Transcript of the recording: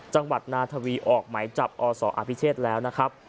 จังหวัดนาทวีออกไหมจับอศอภิเชษแล้วนะครับ